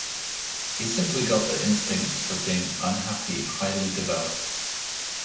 He's simply got the instinct for being unhappy highly developed.